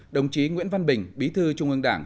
đồng chí nguyễn văn bình bí thư trung ương đảng